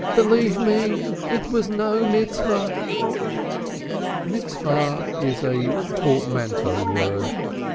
Believe me it was no Mitzvah." Mitzvah is a "portmanteau word."